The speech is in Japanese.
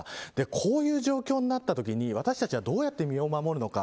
こういう状況になったときに私たちはどうやって身を守るのか。